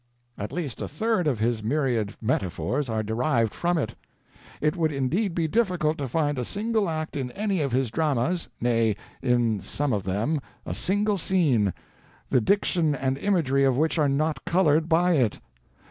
At least a third of his myriad metaphors are derived from it. It would indeed be difficult to find a single act in any of his dramas, nay, in some of them, a single scene, the diction and imagery of which are not colored by it.